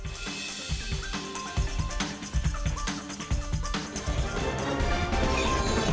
jangan lupa untuk berlangganan